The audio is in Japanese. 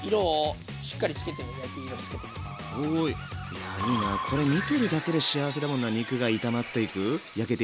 いやいいなこれ見てるだけで幸せだもんな肉が炒まっていく焼けていく感じ。